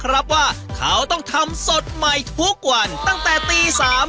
เราต้องทำยังไงต่อแม่